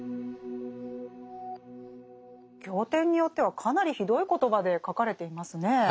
経典によってはかなりひどい言葉で書かれていますね。